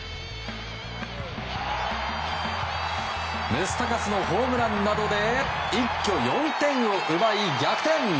ムスタカスのホームランなどで一挙４点を奪い逆転。